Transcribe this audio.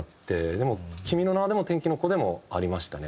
でも『君の名は。』でも『天気の子』でもありましたね。